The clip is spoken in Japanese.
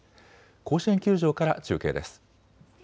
甲子園球場から中継です。